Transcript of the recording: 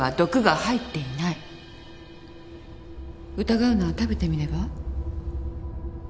疑うなら食べてみれば？